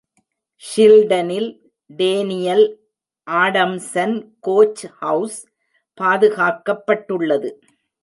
ஷில்டனில் Daniel Adamson coach house பாதுகாக்கப்பட்டுள்ளது.